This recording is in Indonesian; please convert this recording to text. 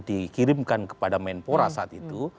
dikirimkan kepada menpora saat itu